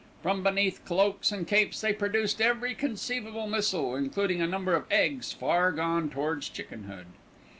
From beneath cloaks and capes they produced every conceivable missile, including a number of eggs far gone towards chickenhood.